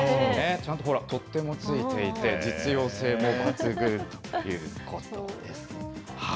ちゃんとほら、取っ手も付いていて、実用性も抜群ということです。